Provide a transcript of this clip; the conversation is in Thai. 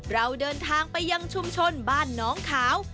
เราเดินทางไปยังชุมชนบ้านน้องขาว